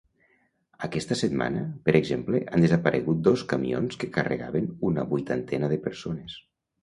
Aquesta setmana, per exemple, han desaparegut dos camions que carregaven una vuitantena de persones.